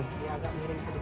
agak miring sedikit